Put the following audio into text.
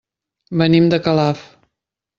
Venim de Calaf.